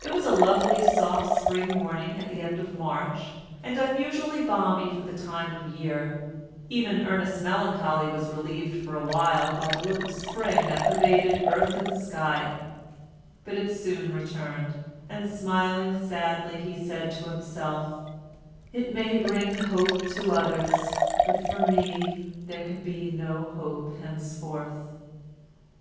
It was a lovely soft spring morning at the end of March, and unusually balmy for the time of year; even Ernest's melancholy was relieved for a while by the look of spring that pervaded earth and sky; but it soon returned, and smiling sadly he said to himself: "It may bring hope to others, but for me there can be no hope henceforth."